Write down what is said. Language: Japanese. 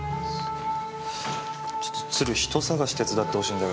ちょっと鶴人探し手伝ってほしいんだけどさ。